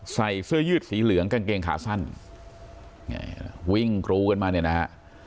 ใส่เสื้อยืดสีเหลืองกางเกงขาสั้นวิ่งกรูกันมาเนี่ยนะฮะ